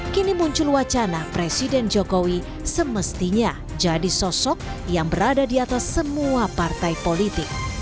kini muncul wacana presiden jokowi semestinya jadi sosok yang berada di atas semua partai politik